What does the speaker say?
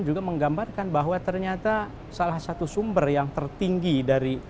juga menggambarkan bahwa ternyata salah satu sumber yang tertinggi dari